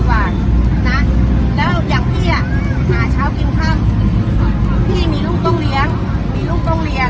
ภูมิมาก่อนค่ะเราแบบนี้ดีกว่ามาใส่ล้ายป้ายสี่ของเราขอร้อง